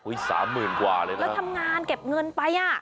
สามหมื่นกว่าเลยนะแล้วทำงานเก็บเงินไปอ่ะ